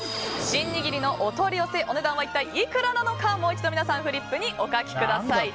シン握りのお取り寄せお値段は一体いくらなのかもう一度、皆さんフリップにお書きください。